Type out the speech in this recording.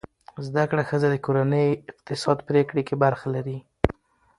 زده کړه ښځه د کورنۍ اقتصادي پریکړې کې برخه لري.